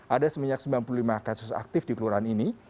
ada seminyak sembilan puluh lima kasus aktif di kelurahan ini